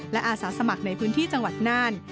และอาสาสมัครในพื้นที่จังหวัดน่าน